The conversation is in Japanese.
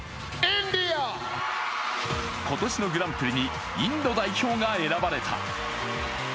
今年のグランプリにインド代表が選ばれた。